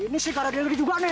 ini sih karyawan dia juga nih